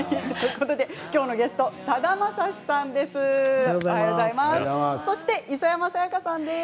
今日のゲストさだまさしさんです。